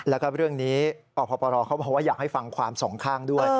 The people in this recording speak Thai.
แล้วก็เรื่องนี้อพปรเขาบอกว่าอยากให้ฟังความสองข้างด้วย